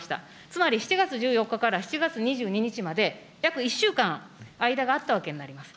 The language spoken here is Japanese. つまり、７月１４日から７月２２日まで、約１週間、間があったわけになります。